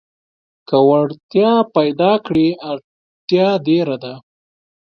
که وړتيا پيداکړې اړتيا ډېره ده.